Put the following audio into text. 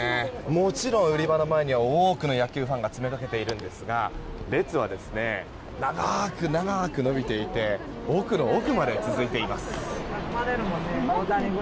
もちろん、売り場の前には多くの野球ファンが詰めかけているんですが列は長く長く伸びていて奥の奥まで続いています。